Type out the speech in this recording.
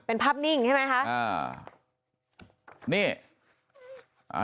เป็นภาพหนิ่งใช่มั้ยคะ